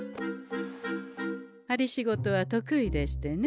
針仕事は得意でしてね。